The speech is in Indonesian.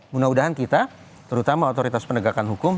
mudah mudahan kita terutama otoritas penegakan hukum